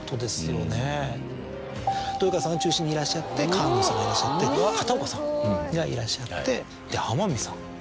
豊川さんが中心にいらっしゃって菅野さんがいらっしゃって片岡さんがいらっしゃってで天海さん。